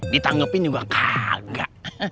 ditanggepin juga kagak